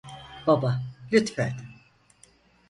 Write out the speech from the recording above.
Baba, lütfen…